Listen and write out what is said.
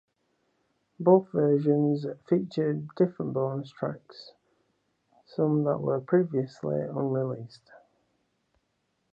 Both versions featured different bonus tracks, some that were previously unreleased.